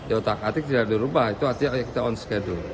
artinya tidak dirubah itu artinya kita on schedule